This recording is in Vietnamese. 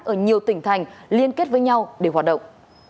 ở nhiều tỉnh thành liên kết với nhau để hoạt động